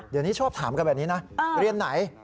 เดี๋ยวนี้ชอบถามกันแบบนี้นะเรียนไหน